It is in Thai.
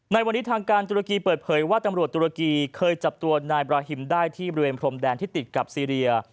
ในวันนี้ทางการตุรกีเปิดเผยว่าตำรวจตุรกีเคยจับตัวนายบราฮิมได้ที่บริเวณพรมแดนที่ติดกับซีเรีย